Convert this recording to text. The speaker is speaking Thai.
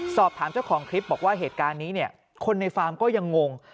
สอบถามเจ้าของคลิปบอกว่าเหตุการณ์นี้เนี่ยคนในฟาร์มก็ยังงง